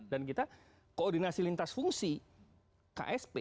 dan kita koordinasi lintas fungsi ksp